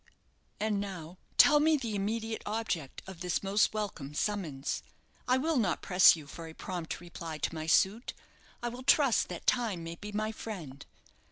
"And now tell me the immediate object of this most welcome summons. I will not press you for a prompt reply to my suit; I will trust that time may be my friend.